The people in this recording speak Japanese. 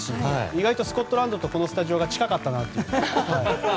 意外とスコットランドとこのスタジオが近かったなという。